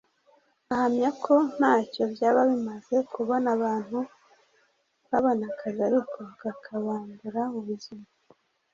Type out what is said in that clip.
Ahamya ko ntacyo byaba bimaze kubona abantu babona akazi ariko kakabambura ubuzima